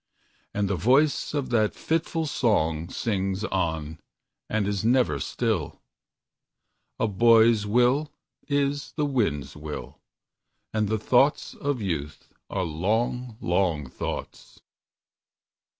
And the voice of that fitful song Sings on, and is never still: "A boy's will is the wind's will, And the thoughts of youth are long, long thoughts."